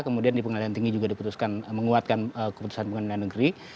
kemudian di pengadilan tinggi juga diputuskan menguatkan keputusan pengadilan negeri